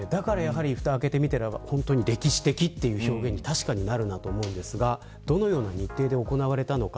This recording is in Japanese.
だからふたを開けてみたら歴史的という表現に確かになるなと思うんですがどのような日程で行われたのか。